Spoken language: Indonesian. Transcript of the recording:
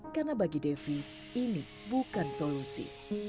karena bagi devi ini bukan solusi